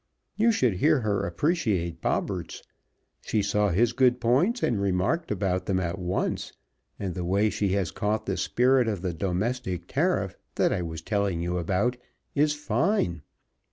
You should hear her appreciate Bobberts. She saw his good points, and remarked about them, at once, and the way she has caught the spirit of the Domestic Tariff that I was telling you about is fine!